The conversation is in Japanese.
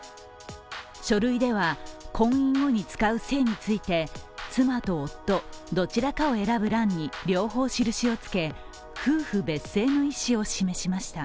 書類では、婚姻後に使う姓について妻と夫、どちらかを選ぶ欄に両方印をつけ、夫婦別姓の意思を示しました。